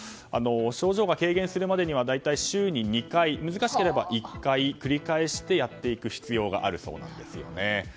症状が軽減するまでには大体週に２回難しければ１回繰り返してやっていく必要があるそうです。